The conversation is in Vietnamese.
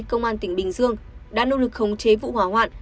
công an tỉnh bình dương đã nỗ lực khống chế vụ hỏa hoạn